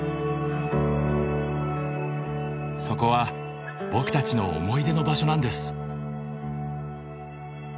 そこは僕たちの思い出の場所なんです。